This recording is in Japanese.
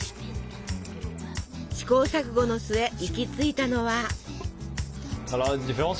試行錯誤の末行き着いたのは。